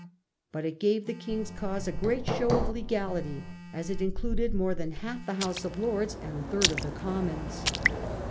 But it gave the king's cause a great show of legality, as it included more than half the House of Lords, and a third of the Commons.